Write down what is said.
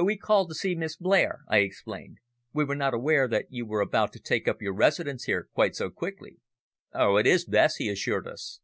"We called to see Miss Blair," I explained. "We were not aware that you were about to take up your residence here quite so quickly." "Oh, it is best," he assured us.